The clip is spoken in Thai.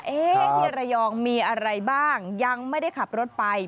ที่ระยองมีอะไรบ้างยังไม่ได้ขับรถไป